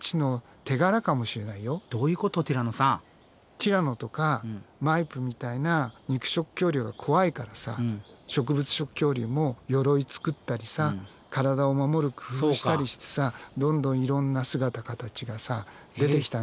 ティラノとかマイプみたいな肉食恐竜が怖いからさ植物食恐竜も鎧作ったりさ体を守る工夫したりしてさどんどんいろんな姿形がさ出てきたんじゃないかな。